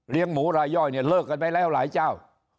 หมูรายย่อยเนี่ยเลิกกันไปแล้วหลายเจ้า